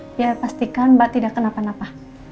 dia pastikan mbak tidak kenapa napa